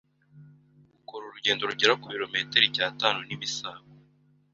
ukora urugendo rugera ku birometelo icyatanu nimisago